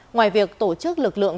ngoài việc tổ chức lực lượng